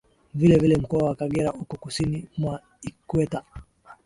Vile vile Mkoa wa Kagera uko Kusini mwa Ikweta